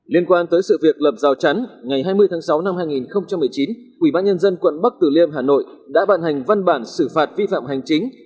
liên quan tới sự việc lập rào chắn ngày hai mươi tháng sáu năm hai nghìn một mươi chín ubnd quận bắc tử liêm hà nội đã bàn hành văn bản xử phạt vi phạm hành chính